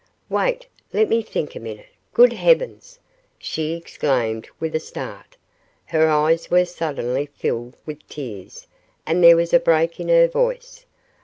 "Wait! Let me think a minute! Good heavens!" she exclaimed with a start. Her eyes were suddenly filled with tears and there was a break in her voice.